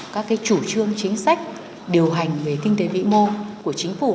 các chủ trương chính sách điều hành về kinh tế vĩ mô của chính phủ